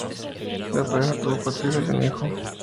La pareja tuvo cuatro hijas y un hijo.